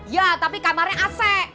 ya tapi kamarnya ase